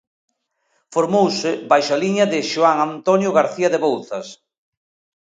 Formouse baixo a liña de Xoán Antonio García de Bouzas.